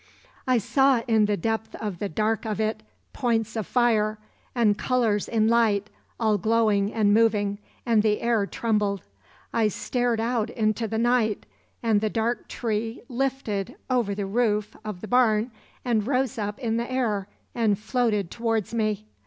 "I saw in the depth of the dark of it points of fire, and colors in light, all glowing and moving, and the air trembled. I stared out into the night, and the dark tree lifted over the roof of the barn and rose up in the air and floated towards me.